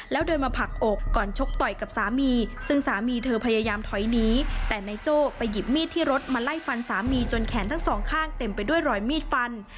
แล้วเดินมาผลักอกก่อนชกต่อยกับสามีซึ่งสามีเธอพยายามถอยหนีแต่นายโจ้ไปหยิบมีดที่รถมาไล่ฟันสามีจนแขนทั้งสองข้างเต็มไปด้วยรอยมีดฟัน